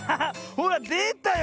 ほらでたよ